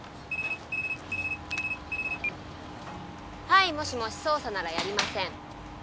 はいもしもし捜査ならやりません。